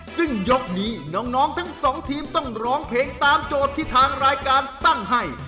ซึ่งยกนี้น้องทั้งสองทีมต้องร้องเพลงตามโจทย์ที่ทางรายการตั้งให้